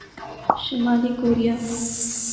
شمالی کوریا